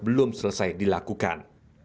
belum selesai dilakukan